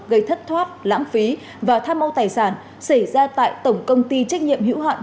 gây thất thoát lãng phí và tham ô tài sản xảy ra tại tổng công ty trách nhiệm hữu hạn